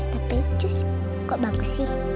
tapi justru kok bagus sih